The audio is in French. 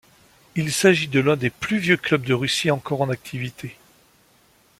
Il s'agît de l'un des plus vieux clubs de Russie encore en activité.